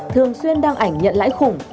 thường xuyên đăng ảnh nhận lãi khủng